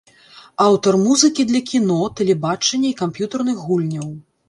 Аўтар музыкі для кіно, тэлебачання і камп'ютарных гульняў.